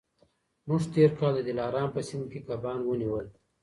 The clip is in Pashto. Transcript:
موږ تېر کال د دلارام په سیند کي کبان ونیول.